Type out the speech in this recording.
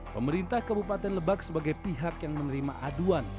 pemerintah kabupaten lebak sebagai pihak yang menerima aduan